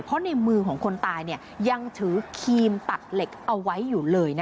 เพราะในมือของคนตายยังถือครีมตัดเหล็กเอาไว้อยู่เลย